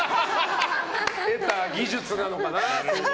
得た技術なのかな。